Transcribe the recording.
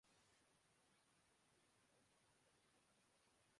Asia Cup کے اہم ترین میچ میں پاکستان اور بھارت مد مقابل